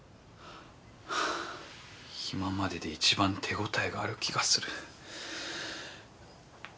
今までで一番手応えがある気がする。